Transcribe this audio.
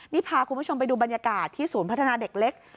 นี่พาคุณผู้ชมไปดูบรรยากาศที่ศูนย์พัฒนาเด็กเล็ก